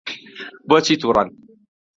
بۆچی تووڕەن؟